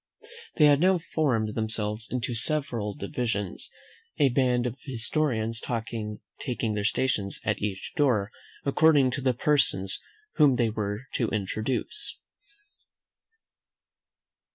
They had now formed themselves into several divisions, a band of historians taking their stations at each door, according to the persons whom they were to introduce.